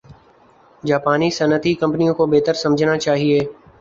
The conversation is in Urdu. جاپانی صنعتی کمپنیوں کو بہتر سمجھنا چاہِیے